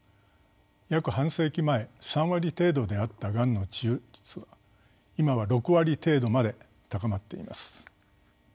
約半世紀前３割程度であったがんの治癒率は今は６割程度まで高まっています。